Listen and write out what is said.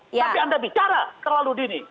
tapi anda bicara terlalu dini